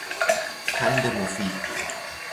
پند مفید